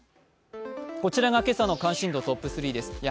こちらが今朝の関心度トップ３です。